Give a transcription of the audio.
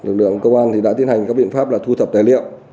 lực lượng công an đã tiến hành các biện pháp là thu thập tài liệu